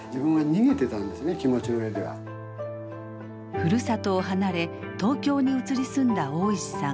ふるさとを離れ東京に移り住んだ大石さん。